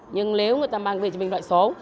nhưng nếu người ta mang về cho bình loại số